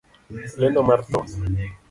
Lendo mar thoo